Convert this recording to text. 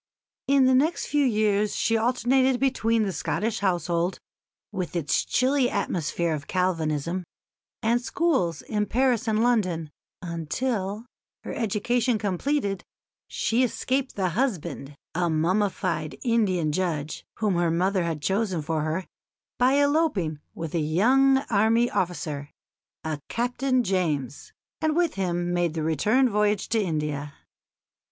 In the next few years she alternated between the Scottish household, with its chilly atmosphere of Calvinism, and schools in Paris and London, until, her education completed, she escaped the husband, a mummified Indian judge, whom her mother had chosen for her, by eloping with a young army officer, a Captain James, and with him made the return voyage to India.